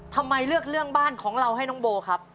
ทำไมเลือกเรื่องบ้านของเราให้น้องโบครับ